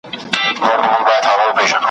انسان په طبیعت کي آزاد خلق سوی دی `